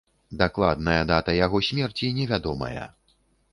Дакладная дата яго смерці невядомая.